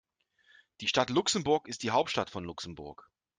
Die Stadt Luxemburg ist die Hauptstadt von Luxemburg.